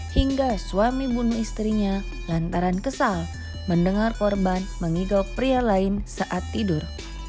hingga suami bunuh istrinya lantaran kesal mendengar korban mengigau pria lain saat tidur